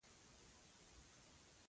که په کابل کې د رباني کانتينري حکومت.